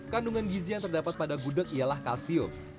kandungan gizi yang terdapat pada gudeg ialah kalsium